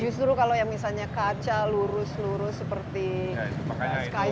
justru kalau yang misalnya kaca lurus lurus seperti sky